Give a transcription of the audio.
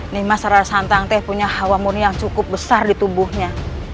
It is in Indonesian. nimas rara santang teh punya hawa murni yang cukup besar di tubuhnya